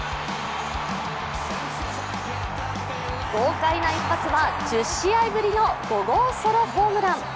豪快な一発は１０試合ぶりの５号ソロホームラン。